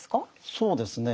そうですね